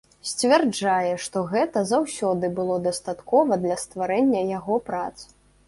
Сцвярджае, што гэтага заўсёды было дастаткова для стварэння яго прац.